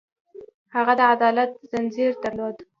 هغه د عدالت ځنځیر درلود.